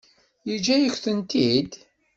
Yeǧǧa-yak-tent-id?